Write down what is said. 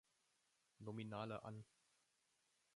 Nominale an.